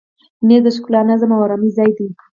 مېز د ښکلا، نظم او آرامي ځای دی.